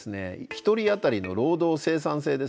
１人あたりの労働生産性ですね。